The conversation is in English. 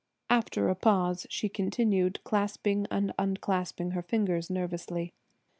After a pause she continued, clasping and unclasping her fingers nervously.